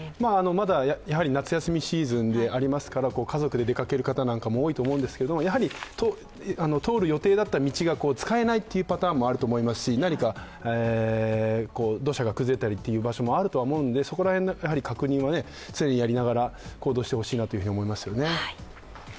まだ夏休みシーズンですから家族で出かける方も多いと思うんですが通る予定だった道が使えないというパターンもあると思いますし、何か土砂が崩れたりという場所もあるとは思うので、そこら辺、確認は常にやりながら行動してほしいなと思いますよね。